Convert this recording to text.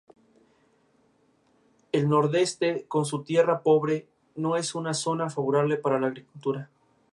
En concentraciones más altas causan grandes daños a la vegetación.